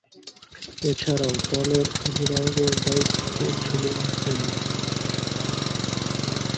এছাড়াও দলের অধিনায়কের দায়িত্বে ছিলেন তিনি।